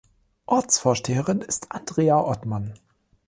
Ortsvorsteherin ist Andrea Ottmann